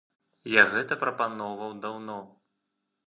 Я гэта прапаноўваў даўно.